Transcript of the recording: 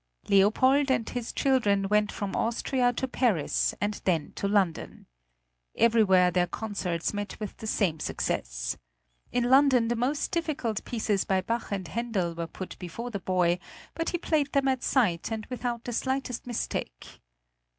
Leopold and his children went from Austria to Paris, and then to London. Everywhere their concerts met with the same success. In London the most difficult pieces by Bach and Handel were put before the boy, but he played them at sight, and without the slightest mistake.